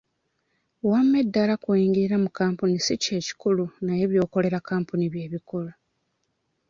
Wamma eddaala kw'oyingirira mu kampuni si ky'ekikulu naye by'okolera kampuni by'ekikulu.